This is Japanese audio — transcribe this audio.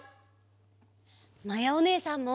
まやおねえさんも！